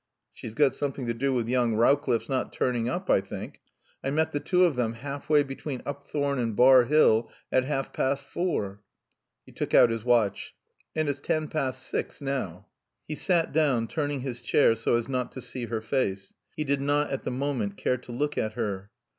"She's got something to do with young Rowcliffe's not turning up, I think. I met the two of them half way between Upthorne and Bar Hill at half past four." He took out his watch. "And it's ten past six now." He sat down, turning his chair so as not to see her face. He did not, at the moment, care to look at her.